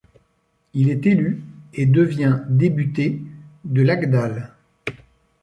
Il est élu et devient débuter de l'Agdal.